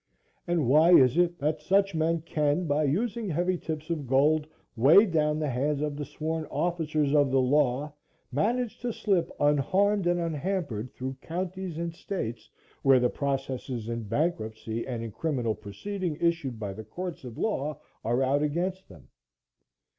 And, why is it that such men can, by using heavy tips of gold, weigh down the hands of the sworn officers of the law, manage to slip unharmed and unhampered through counties and states where the processes in bankruptcy and in criminal proceeding, issued by the courts of law, are out against them?